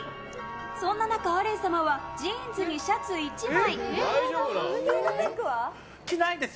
そんな中、アレン様はジーンズにシャツ１枚。